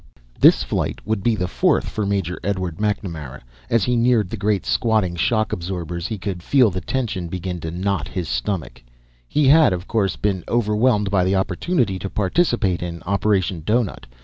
This flight would be the fourth for Major Edward MacNamara; as he neared the great, squatting shock absorbers he could feel the tension begin to knot his stomach. He had, of course, been overwhelmed by the opportunity to participate in Operation Doughnut.